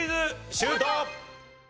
シュート！